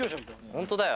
本当だよ。